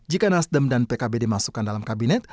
jika nasdem dan pkb dimasukkan dalam kabinet